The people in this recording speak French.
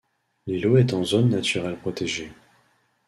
L'îlot est en zone naturelle protégée.